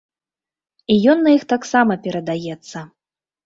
І ён на іх таксама перадаецца.